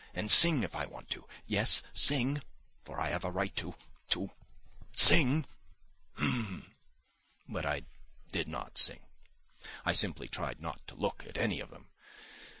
and sing if I want to, yes, sing, for I have the right to ... to sing ... H'm!" But I did not sing. I simply tried not to look at any of them.